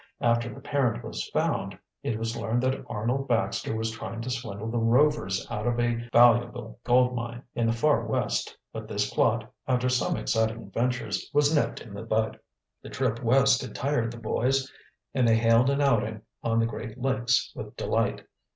After the parent was found it was learned that Arnold Baxter was trying to swindle the Rovers out of a valuable gold mine in the far West, but this plot, after some exciting adventures, was nipped in the bud. The trip West had tired the boys, and they hailed an outing on the Great Lakes with delight.